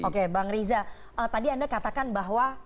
oke bang riza tadi anda katakan bahwa